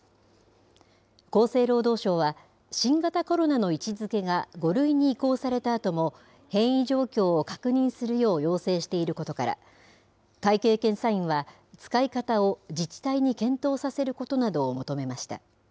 厚生労働省は、新型コロナの位置づけが５類に移行されたあとも、変異状況を確認するよう要請していることから、会計検査院は、使い方を自治体に検討させることなどを求めました。